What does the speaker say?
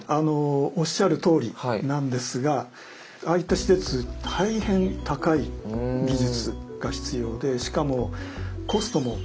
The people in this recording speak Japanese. おっしゃるとおりなんですがああいった施設大変高い技術が必要でしかもコストもかかるんですね。